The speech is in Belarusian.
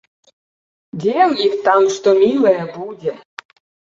Дзе ў іх там што мілае будзе!